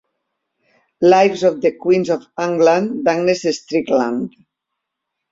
"Lives of the Queens of England" d'Agnes Strickland".